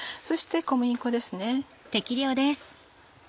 そして小麦粉ですね。